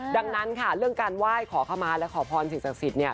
ดังนั้นค่ะเรื่องการไหว้ขอขมาและขอพรสิทธิ์ศักดิ์สิทธิ์